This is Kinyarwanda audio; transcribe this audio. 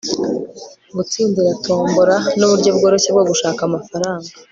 gutsindira tombola nuburyo bworoshye bwo gushaka amafaranga